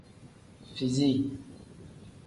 Fizi.